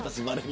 私